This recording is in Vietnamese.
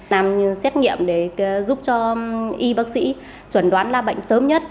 làm xét nghiệm để giúp cho y bác sĩ chuẩn đoán là bệnh sớm nhất